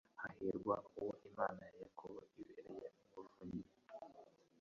Hahirwa uwo Imana ya Yakobo ibereye umuvunyi